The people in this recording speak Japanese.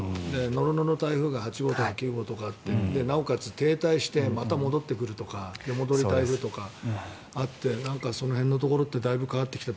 ノロノロ台風が８号とか９号とかなおかつ停滞してまた戻ってくるとか出戻り台風とかあってなんか、その辺のところってだいぶ変わってきた。